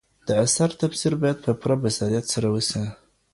د اثر تفسیر باید په پوره بصیرت سره وسي.